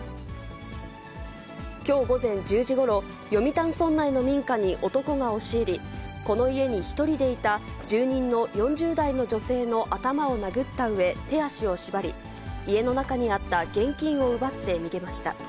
きょう午前１０時ごろ、読谷村内の民家に男が押し入り、この家に１人でいた住人の４０代の女性の頭を殴ったうえ手足を縛り、家の中にあった現金を奪って逃げました。